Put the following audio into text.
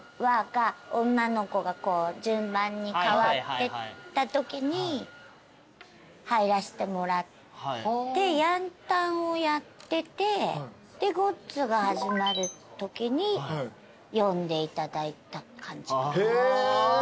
女の子が順番に代わってたときに入らせてもらって『ヤンタン』をやっててで『ごっつ』が始まるときに呼んでいただいた感じ。